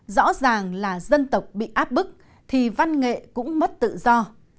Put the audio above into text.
rõ ràng là dân tộc bị áp bức thì văn nghệ cũng mất tự do